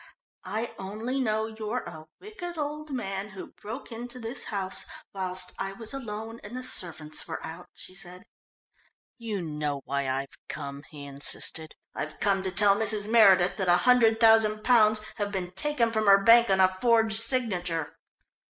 "I only know you're a wicked old man who broke into this house whilst I was alone and the servants were out," she said. "You know why I've come?" he insisted. "I've come to tell Mrs. Meredith that a hundred thousand pounds have been taken from her bank on a forged signature."